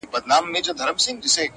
• او نسلونه يې يادوي تل تل,